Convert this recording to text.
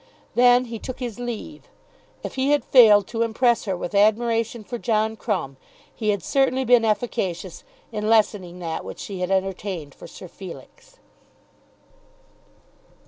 Then he took his leave. If he had failed to impress her with admiration for John Crumb, he had certainly been efficacious in lessening that which she had entertained for Sir Felix.